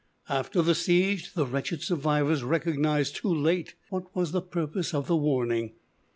After the siege the wretched survivors recognized too late what was the purpose of the warning.